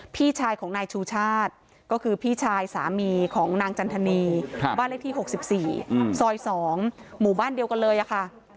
พี่ชายของนายชูชาติก็คือพี่ชายสามีของนางจันทนีบ้านเลขที่๖๔ซอย๒หมู่บ้านเดียวกันเลยค่ะ